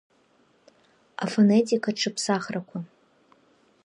Афонетикатә ҽыԥсахрақәа.